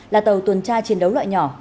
là tàu tuần tra chiến đấu loại nhỏ